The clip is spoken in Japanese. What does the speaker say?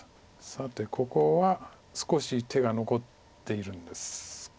さてここは少し手が残っているんです。